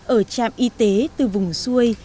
ở trạm y tế từ vùng xuôi